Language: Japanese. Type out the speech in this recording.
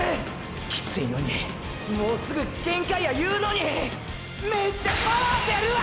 キツイのにもうすぐ限界やいうのにめっちゃパワーでるわ！！